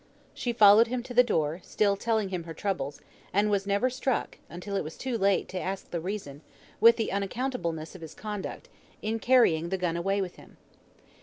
She followed him to the door, still telling him her troubles, and was never struck, until it was too late to ask the reason, with the unaccountableness of his conduct, in carrying the gun away with him.